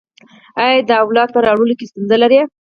ایا د اولاد په راوړلو کې ستونزه لرئ؟